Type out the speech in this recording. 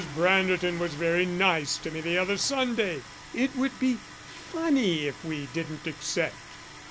Branderton was very nice to me the other Sunday; it would be funny if we didn't accept."